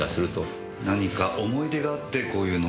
何か思い出があってこういう飲み方をした。